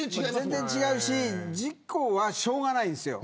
全然違うし事故は、しょうがないですよ。